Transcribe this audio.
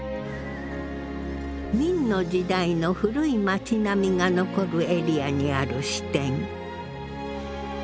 明の時代の古い街並みが残るエリアにある支店。